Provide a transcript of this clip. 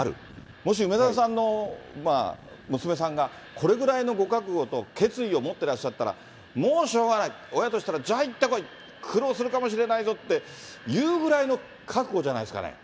もし梅沢さんの娘さんがこれぐらいのご覚悟と決意を持ってらっしゃったら、もうしょうがない、親としたら、じゃあ行ってこい、苦労するかもしれないぞって言うぐらいの覚悟じゃないですかね。